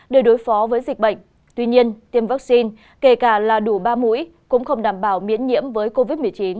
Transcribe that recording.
để đối phó với dịch bệnh tuy nhiên tiêm vaccine kể cả là đủ ba mũi cũng không đảm bảo miễn nhiễm với covid một mươi chín